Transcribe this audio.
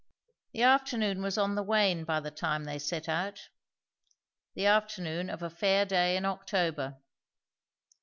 The afternoon was on the wane by the time they set out. The afternoon of a fair day in October.